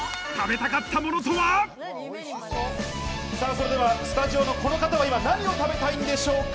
それではスタジオのこの方は今何を食べたいんでしょうか？